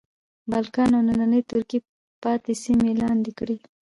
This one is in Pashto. بالکان او نننۍ ترکیې پاتې سیمې لاندې کړې.